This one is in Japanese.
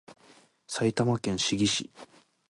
埼玉県志木市